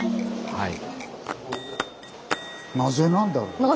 はい。